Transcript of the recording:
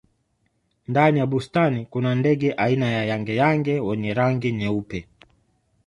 ndani ya bustani kuna ndege aina ya yangeyange wenye rangi nyeupe